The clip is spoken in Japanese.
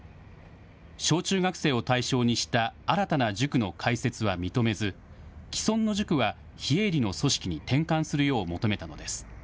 小中学生を対象にした新たな塾の開設は認めず既存の塾は非営利の組織に転換するよう求めたのです。